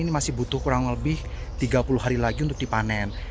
ini masih butuh kurang lebih tiga puluh hari lagi untuk dipanen